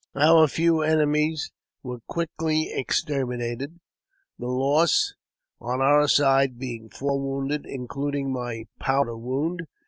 Our few enemies were quickly exterminated, the loss on our side being four wounded, including my powder wound.